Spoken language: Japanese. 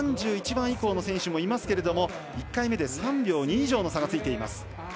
３１番以降の選手もいますけれど１回目で３秒２以上の差がついています。